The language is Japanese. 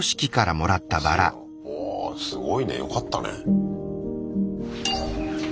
ああすごいねよかったね。